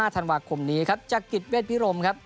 ๙๑๕ธันวาคมนี้ครับจากกิจเวชพิรมครับ